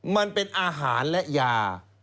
มันเป็นอาหารและยา